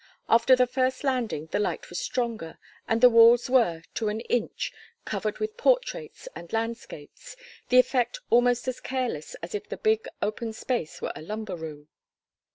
After the first landing the light was stronger, and the walls were, to an inch, covered with portraits and landscapes, the effect almost as careless as if the big open space were a lumber room.